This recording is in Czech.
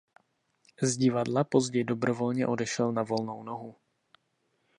Z divadla později dobrovolně odešel na volnou nohu.